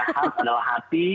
heart adalah hati